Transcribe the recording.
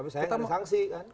tapi saya tidak ada sanksi kan